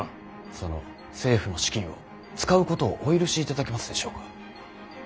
その政府の資金を使うことをお許しいただけますでしょうか。